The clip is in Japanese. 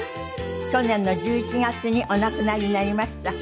去年の１１月にお亡くなりになりました。